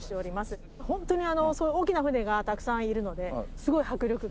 ホントにすごい大きな船がたくさんいるのですごい迫力が。